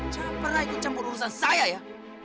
jangan pernah ikut campur urusan saya ya